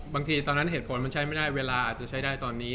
ตอนนั้นเหตุผลมันใช้ไม่ได้เวลาอาจจะใช้ได้ตอนนี้